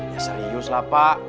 ya serius lah pak